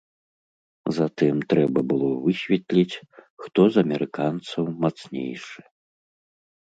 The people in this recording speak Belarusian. Затым трэба было высветліць, хто з амерыканцаў мацнейшы.